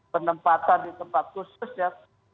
penempatan di tempat khusus ya